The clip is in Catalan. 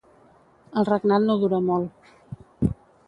El regnat no dura molt.